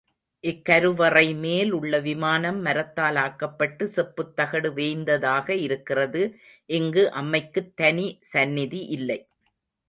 இக்கருவறை மேல் உள்ள விமானம் மரத்தால் ஆக்கப்பட்டு செப்புத்தகடு வேய்ந்ததாக இருக்கிறது, இங்கு அம்மைக்குத் தனி சந்நிதி இல்லை.